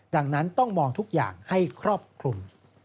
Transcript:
ดังนั้นต้องมองทุกอย่างให้ครอบคลุม